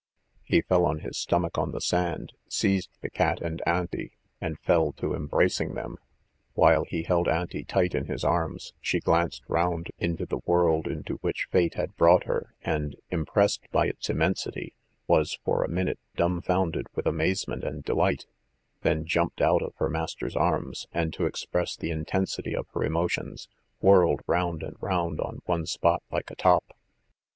He fell on his stomach on the sand, seized the cat and Auntie, and fell to embracing them. While he held Auntie tight in his arms, she glanced round into the world into which fate had brought her and, impressed by its immensity, was for a minute dumbfounded with amazement and delight, then jumped out of her master's arms, and to express the intensity of her emotions, whirled round and round on one spot like a top.